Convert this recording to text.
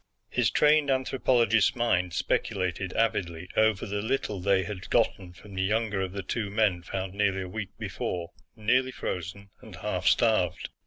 His trained anthropologist's mind speculated avidly over the little they had gotten from the younger of the two men found nearly a week before, nearly frozen and half starved.